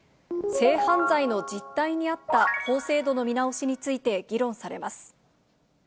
性犯罪の実態に合った法制度の見直しについて議論されます。